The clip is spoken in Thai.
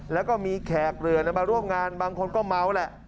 แล้วก็มีแขกเรือมาร่วมงานบางคนก็เมาแหละ